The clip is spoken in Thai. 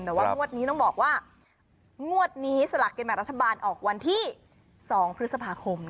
แต่ว่างวดนี้ต้องบอกว่างวดนี้สลากกินแบ่งรัฐบาลออกวันที่๒พฤษภาคม